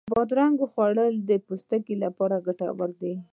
د بادرنګو خوړل د پوستکي لپاره ګټور دی.